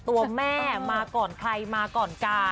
ตัวแม่มาก่อนใครมาก่อนกา